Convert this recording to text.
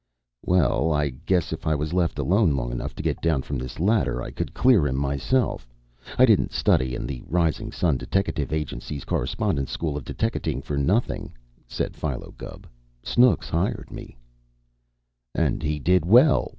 "Well, I guess, if I was left alone long enough to get down from this ladder, I could clear him myself. I didn't study in the Rising Sun Deteckative Agency's Correspondence School of Deteckating for nothing," said Philo Gubb. "Snooks hired me " "And he did well!"